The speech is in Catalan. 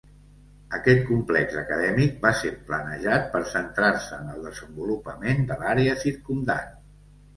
Aquest complex acadèmic va ser planejat per centrar-se en el desenvolupament de l'àrea circumdant.